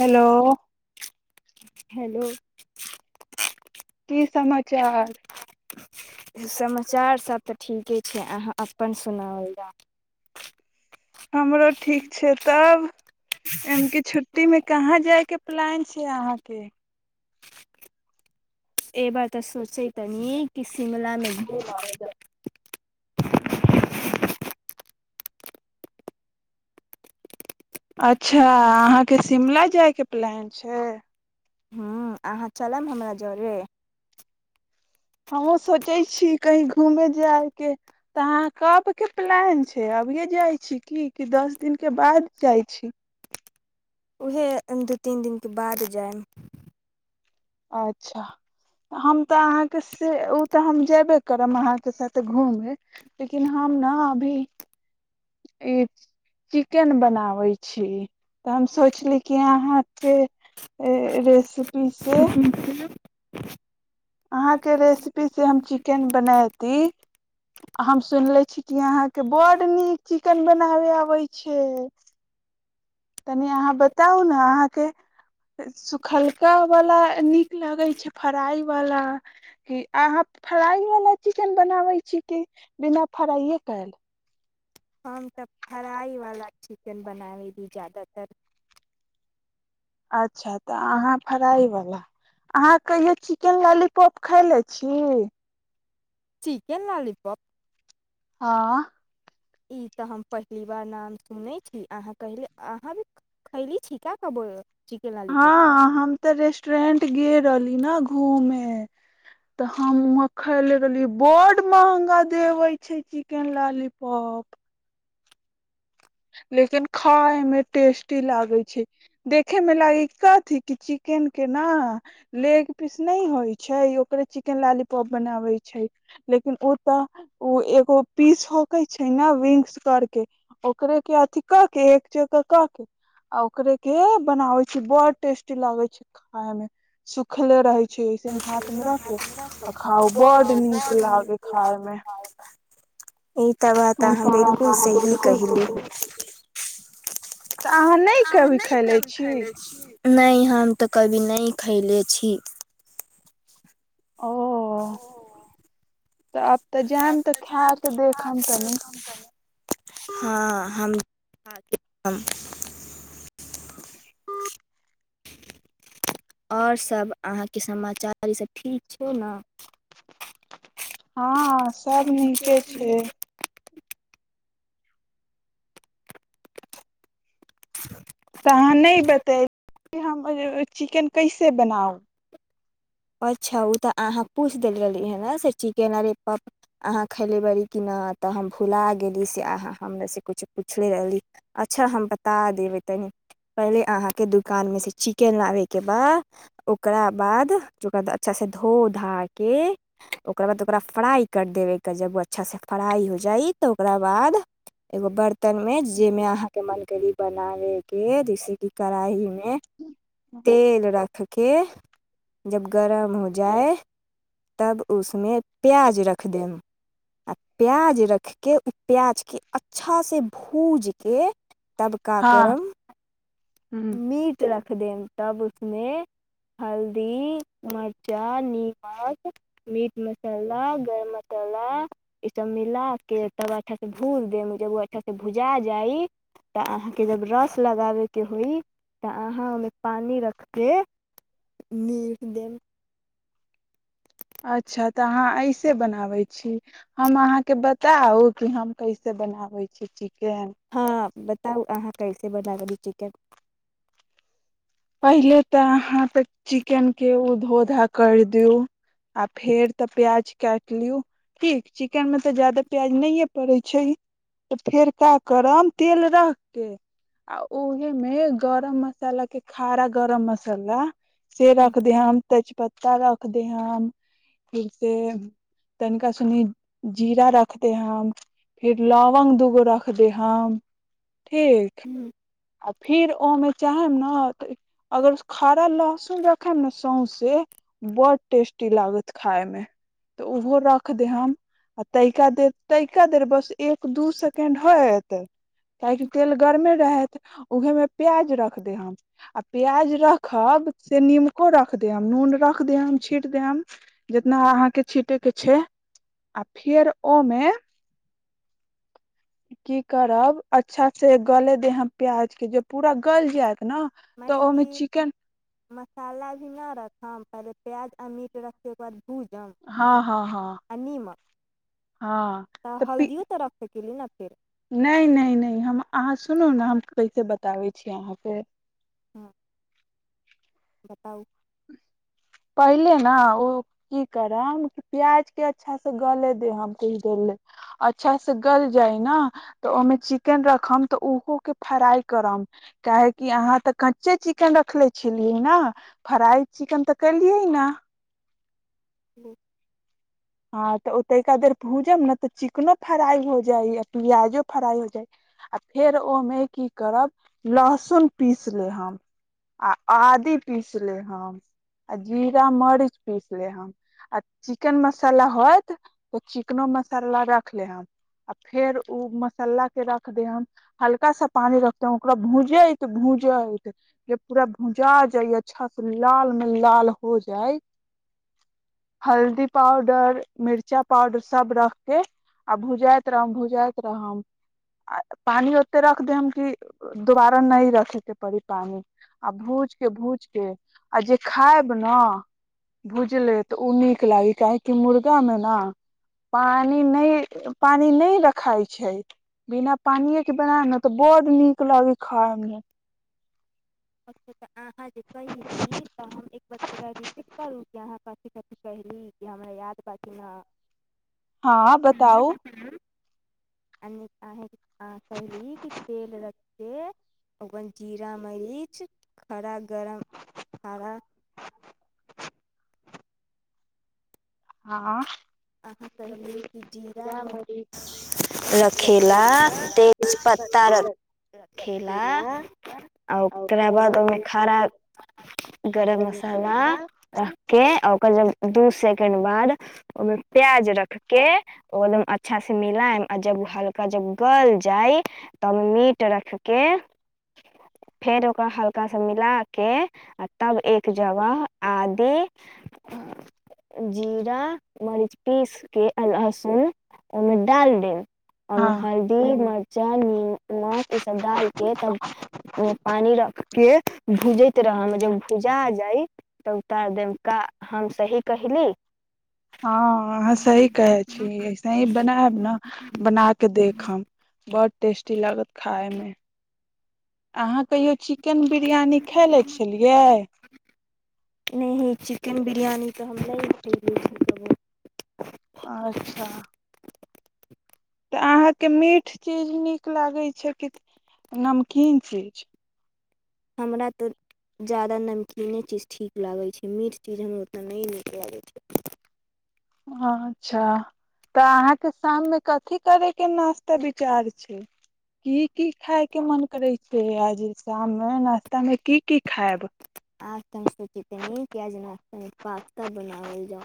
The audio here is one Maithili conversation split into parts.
हेलो हेलो की समाचार समाचार सब तऽ ठीके से अहाँ अपन सुनाओल जाउ हमरो ठीक छै तब ए क छुट्टी मे कहाँ जाय के प्लान छै अहाँके के ए बात तऽ सोचै त न कि शिमलामे म अच्छा अहाँके शिमला जायके के प्लान छै हाँ अहाँ चलब हमरा जरे हमहूँ सोचै छी कहीँ घूमेय जायके तऽ अहाँ कबके प्लान छै अभिए जाइ छी की कि दस दिनके बाद जाइ छी उएह दू तीन दिनके बाद जायब अच्छा हम तऽ अहाँके से ओ तऽ हम जेयबे करब अहाँके साथ घूमय लेकिन हम ने अभी ई चिकेन बनाबे छी तऽ हम सोचली कि यहा यहाँके रेसिपी से [inaudible] अहाँके रेसिपीसँ हम चिकेन बनायब हम सुनले छी क कि अहाँ के बड नीक चिकन बनावे आबे छै तनि अहाँ बताउ ने अहाँके सुखलका वाला नीक लगे छै फ्राई वला क अहाँ फ्राइवला चिकन बनाबै छी कि बिना फ्राइए कल हम तऽ फरााइ वालला छी चिकन बनावे भी ज्यादातर अच्छा तऽ अहाँ फ्राइवला अहाँ कहियौ चिकेन लॉलीपॉप खयले छी चिकेन लालीपॉप हँ ई तऽ हम पहली बार नाम सुनैत छी अहाँल अहाँ भी खैली छी क्य कहबो हँ हम तऽ रेस्टरेंट गेले रहली न घूमे तऽ हम वह खाय ले रहलियै बड महंगा देवे छै चिकेन लालीपॉप लेकिन खाायमे टेस्टी लागैत छै देखेमे लागै कथी कि चिकेनक के ने लेग पीस नहि होइ छै ओकरे चिकेन लॉालीपॉप बनाबै छै लेकिन ओ तऽ ओ एगो पीस होके छै ने विंगस करके ओकरे के अथी क के एक जग के क के आ ओकरे के बनावे छी बड़ टेस्टी लागे छै खाय मे सुखले रहे छै ऐसे ही हाथ में रख के आ खाउ बड नीक लागे खाय मे [unintelligible] ई तऽ बात अहाँ बिलकुल सही कहहिली तऽ तऽ अहाँ नहि ककभी खैले छी नहि हम तऽ कभी नहि खैले छी ओ तऽ आब तऽ जायम तऽ खा के देखम तनी हँ हम आओरसभ अहाँके समाचार ईसभ ठीक छै ने हँ सब नीके छै तऽ अहाँ नहि ने बतय हम - चिकेन कैसे बनाउ अच्छा ओ तऽ अहाँ पूछि देल रहली हे ने से चिकेन अरे पप्प अहाँ खयलेबी कि नहि तऽ हम भुला गेली से अहाँ हमर से किछु पुछले रहली अच्छा हम बता देबै तनि पहिले अहाँके दोकानमे से चिकेन लाबयके बाद ओकरा बाद ओकरा अच्छासँ धो धाके ओकरा बाद ओकरा फ्राइ कर देबैके जब अच्छासँ फ्राइ हो जाइ तऽ ओकरा बाद एगो बर्तनमे जाहिमे अहाँके मन की बनाबैके जैसेि कढ़ाहीमे तेल रखके केए जब गरम हो जाए तब उसमे प्याज रखि देब आ प्याज रखके ओ प्याज के अच्छा से भूज के तब का हँ करब ह मीट रखदेब तब उसमे हल्दी मर्चा निीमक मीट मसाला गरम मसाला ई सब मिलााके तब अच्छा से भूल देम जब ओ अच्छा से भुजा जाइ तऽ अहाँके जब रस लगाबे के होइ तऽ अहाँ ओहिमे पानी रखके नी देब अच्छा तऽ अहाँ ऐसे बनाबे छी हम अहाँके बताउ कि हम कैसे बनाबे छी च केहन तब अहाँ कैसे बना लेहबी चिकन पहिले तऽ अहाँ त चिकेन के धोधा कर दियू आ फेर ते प्याज काट लि ठीक चिकेन में ते जादा प्याज नहिये पड़े छै तऽ फेर क करम तेल रख के आ उहे मे गरम मसाला के खारा गरम मसाला से हूँ रखद ह हम तेजपत पत्ता रख दे हम फिर से तनिका सनि जीरा रख दे हम फिर लवंग दूगो रख दे हम ठीक आ फिर ओमे चाहे ने अगर खराा लहसुन रखब ने सौँसे बड टेस्टी लागत खायमे तऽ ओहो रख देम आ तइिका देर तइिका देर बस एक दू सेकें्ड होत काहेकि तेल गरमे रहत उहेमे प्याज रख दे हम आ प्याज रखब से नीमको रख देम नून रख देम छीट देम जितना अहाँके छीिटे के छै आ फेर ओमे की करब अच्छा से गले दे प्याज के ज पूरा गल जायत ने तऽ मने ओहिमे क चिकेन मसाला भी नहि रखब ब्याज अमीर रखेके बाद भूजम हँ हँ हँ आ नीमक हँ त कली न फेर नहि नहि नहि हम अहाँ सुनू ने हम कैसे बताबै छी अहाँके हँ बताउ पहिले ने ओ की करब प्याजके अच्छासँ गले दे हम कछ दे ले अच्छासँ गल जाय ने तऽ ओहिमे चिकेन रखब तऽ ओहोके फ्राइ करब काहेकि अहाँ तऽ कच्चे चिकेन रखनेे छलियै ने फ्राइ चिकन तऽ केलियै ने ह्म हँ तऽ ओ तै देर भूजब ने तऽ चिकनो फ्राई हो जाय आ प्याजो फ्राई हो जाय आ फेर ओहिमे की करब लहसुन पीस ले हम आ आदी पीस ले हम आ जीरा मरीच पीस ले हम आ चिकेन मस मसाला हत तऽ चिकनो मसाला रख लेम आ फेर ओ मसाला के रख दे हल्का सा पानी रखते ओकरा भूंजैत भूजैत जे पूरा भूजा जाइ अच्छा से लाल मे लाल हो जाय हल्दी पाउडर मिरचा पाउडर सब रख के आ भुजइत रह भुजाइत रह आ पानी ओते रख देब की दुबारा न रखे के परी पानी आ भूज के भूज के आ जे खायब ने भूजले ते उ नीक लागे काहेकि मुर्गामे ने पानि नहि पानि नहि रखाइ छै बिना पानिएके बना ने तऽ बड्ड नीक लगै खायमे [inaudible] अहाँ जे कहि दी त हम एक बच्चे रिपीट करू के अहाँ क कथी कहैली जे हमरा याद बथि ने हँ बताउ अ कहहिल की तेल रचे ओगन जीरा मरीच किुछ खराा गरम खराा आँ अहाँ कहली कि जीरा म रखेला तेज पत्ता रखेला आ ओकरा बाद ओहिमे खरा गरम मसाला रख के आ ओकर जब दू सेकें्ड बाद ओमे प्याज रखके ओमे अच्छा से मिलाायम आ जब हल्का जब गल जाय तब मीट रखके फेर ओकरा हल्का सा मिला के तब एक जगह आदि जीरा मरीच पीस के लहसुन ओहिमे डाल दे ओहिमे हँ हल्दी मर्चा निीममक ई सब डालके तब पानी रख के भुजे ित्र मे जब भूजा जाय तब उतार देवका हम सही कहली हँ अहाँ सही कहै छी ऐसे ही बनायब ने बना कऽ देखब बड ी लागत खाायमे अहाँ कहियो चिकेन बिरियानी खा ले छलियै नहि चिकेन बिरयानी तऽ हम नहि उठेबै छी कहबू अच्छा तऽ अहाँके मीठ चीज नीक लागैत छै किु नमकीन चीज हमरा तऽ ज्यादा नमकीने चीज ठीक लागै छै मीठ चीज हमरा ओतना नहि नीक लागै छै अच्छा तऽ अहाँके शाममे कथी करे के नाश्ता विचार छै की की खाय के मन करै छै आज शाममे नाश्ता मे की की खायब आज त हम सूचितित न किज पास बनावल जाउ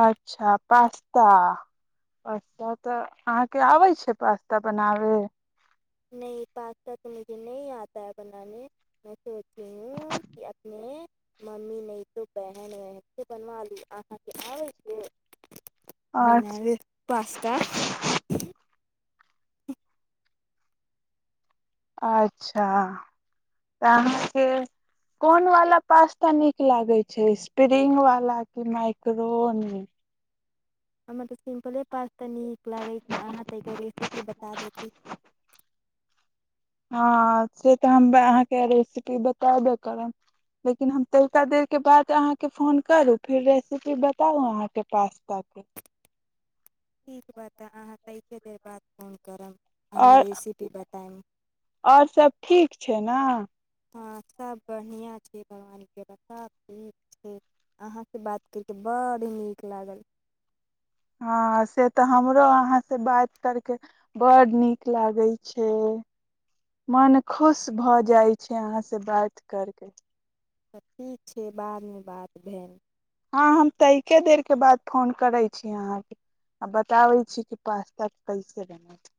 अच्छा पास्ता पास्ता तऽ अहाँके आबै छै पास्ता बनाबै न पास्ता तऽ मुझे न आता है बनााने में सोची हूँ कि अपने मम्मी न तो बहन बहन से बनवा लू आब बनाब अच्छा पास्ता अच्छा तह कोन वाला पास क नीक लागे छै स्प्रिंग वाला क माइक्रोन मत सिम्पले प तऽ नीक लागै छै अहाँ तऽ एकर रेसिपी बता देैत हँ से तऽ हम अहाँके रेसिपी बतायबे करब लेकिन हम तहिका देरके बाद अहाँके फोन करू फेर रेसिपी बताउ अहाँके पास ताक के ठीक बात ह त से बात फोन करब हमर आओर रेसिपी बताइम आऔर सब ठीक छै ना हँ सभ बढ़िआँ छै भगवान कृपा सभ ठीक छै अहाँसँ बात करि कऽ बड़ नीक लागल हँ से तऽ हमरो अहाँसँ बात करकेऽ ब्ड नीक लागै छै मन खुश भऽ जाइत छै अहाँसँ बात करके तऽ ठीक छै बादमे बाद भेल हँ हम तऽ एके देरके बाद फोन करै छी अहाँके आ बताबै छी कि पास्ता कैसे बनत